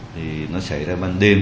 thì nó xảy ra ban đêm